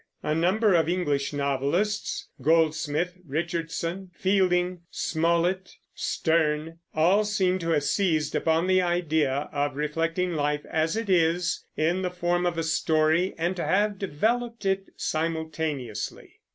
A number of English novelists Goldsmith, Richardson, Fielding, Smollett, Sterne all seem to have seized upon the idea of reflecting life as it is, in the form of a story, and to have developed it simultaneously.